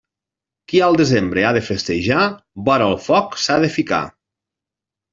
Qui al desembre ha de festejar, vora el foc s'ha de ficar.